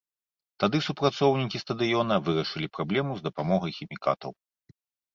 Тады супрацоўнікі стадыёна вырашылі праблему з дапамогай хімікатаў.